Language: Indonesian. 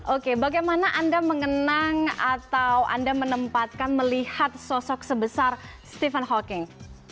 oke bagaimana anda mengenang atau anda menempatkan melihat sosok sebesar stephen hawking